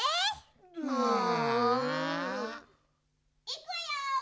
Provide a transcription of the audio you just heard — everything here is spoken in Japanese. いくわよ！